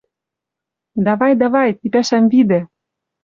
Давай, давай ти пӓшӓм видӹ.